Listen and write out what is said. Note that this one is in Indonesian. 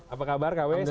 apa kabar kawendra